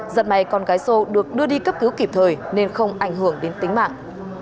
giật may con gái sô được đưa đi cấp cứu kịp thời nên không ảnh hưởng đến tính mạng